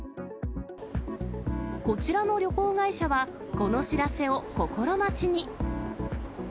こちらの旅行会社は、この知らせを心待ちに。